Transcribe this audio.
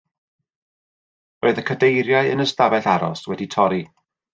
Roedd y cadeiriau yn y stafell aros wedi torri.